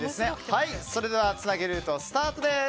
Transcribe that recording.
それでは「つなげルート」スタートです。